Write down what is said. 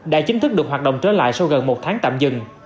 đã chính thức được hoạt động trở lại sau gần một tháng tạm dừng